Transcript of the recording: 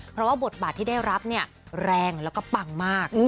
เพราะว่าบทบาทที่ได้รับเนี่ยแรงแล้วก็ปังมาก